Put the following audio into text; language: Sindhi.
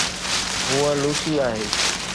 هوءَ لوسي آهي